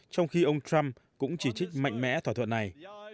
trong khi ông trump cũng chỉ trích mạnh mẽ thỏa thuận này